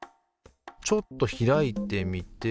ちょっと開いてみて。